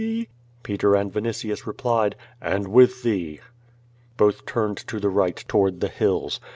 '^ Peter and Vinitius replied: "And with thee." Both turned to the right toward the hills.